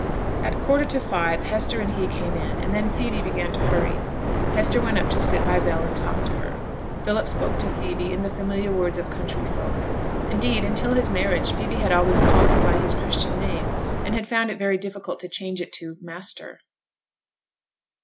At a quarter to five Hester and he came in, and then Phoebe began to hurry. Hester went up to sit by Bell and talk to her. Philip spoke to Phoebe in the familiar words of country folk. Indeed, until his marriage, Phoebe had always called him by his Christian name, and had found it very difficult to change it into 'master.'